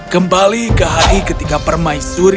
kembali ke hari ketika permaisuri